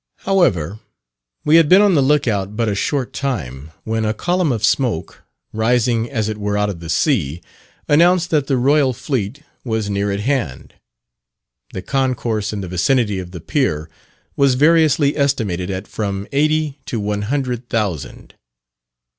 However, we had been on the look out but a short time, when a column of smoke rising as it were out of the sea, announced that the Royal fleet was near at hand. The concourse in the vicinity of the pier was variously estimated at from eighty to one hundred thousand.